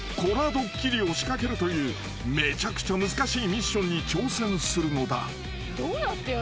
ドッキリを仕掛けるというめちゃくちゃ難しいミッションに挑戦するのだ］